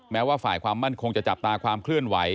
แม้ว่าฝ่ายความมั่นคงจะจับตาความเคลื่อนไหว